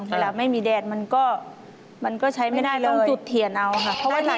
เวลาไม่มีแดดมันก็มันก็ใช้ไม่ได้เลยต้องจุดเทียนเอาค่ะ